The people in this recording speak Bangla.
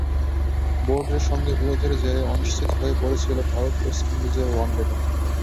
বোর্ডের সঙ্গে বিরোধের জেরে অনিশ্চিত হয়ে পড়েছিল ভারত-ওয়েস্ট ইন্ডিজের প্রথম ওয়ানডেটা।